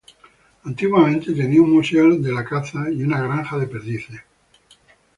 Antiguamente tenía un museo de la caza y una granja de perdices.